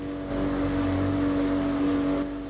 taman nasional bali barat